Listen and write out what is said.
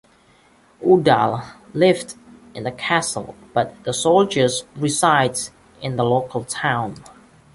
Udall lived in the castle, but the soldiers resided in the local town.